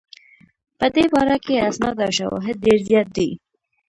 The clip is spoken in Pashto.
په دې باره کې اسناد او شواهد ډېر زیات دي.